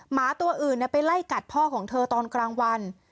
หมาตัวอื่นไปไล่กัดพ่อของเธอตอนกลางวัน